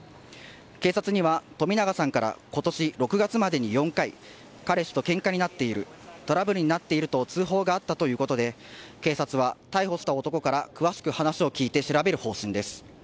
警察には、冨永さんから今年６月までに４回彼氏とけんかになっているトラブルになっていると通報があったということで警察は逮捕した男から詳しく話を聞いて調べる方針です。